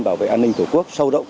bảo vệ an ninh tổ quốc sâu động